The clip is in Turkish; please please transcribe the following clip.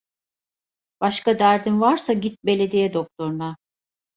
Başka derdin varsa git Belediye doktoruna!